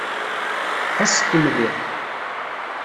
Ḥesset mliḥ.